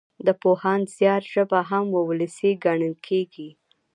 د پوهاند زيار ژبه هم وولسي ګڼل کېږي.